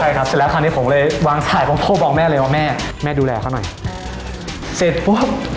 ใช่ครับเสร็จแล้วคราวนี้ผมเลยวางถ่ายผมโทรบอกแม่เลยว่าแม่แม่ดูแลเขาหน่อยเสร็จปุ๊บ